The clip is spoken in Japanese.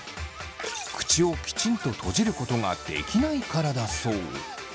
口をきちんと閉じることができないからだそう。